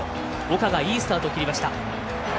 岡がいいスタートを切りました。